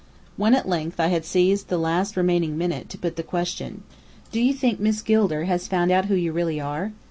When at length I had seized the last remaining minute to put the question, "Do you think Miss Gilder has found out who you really are?"